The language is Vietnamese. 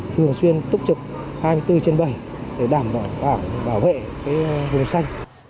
thường xuyên túc trực hai mươi bốn trên bảy để đảm bảo bảo vệ vùng xanh